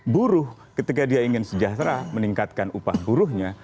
buruh ketika dia ingin sejahtera meningkatkan upah buruhnya